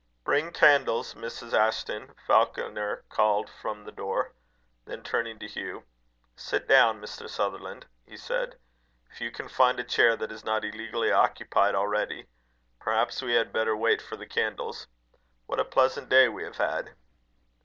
"Bring candles, Mrs. Ashton," Falconer called from the door. Then, turning to Hugh, "Sit down, Mr. Sutherland," he said, "if you can find a chair that is not illegally occupied already. Perhaps we had better wait for the candles. What a pleasant day we have had!"